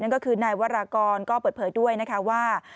ก็คือนายวรากรก็เปิดเผยด้วยนะคะว่า